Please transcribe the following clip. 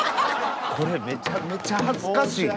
これめちゃめちゃ恥ずかしい。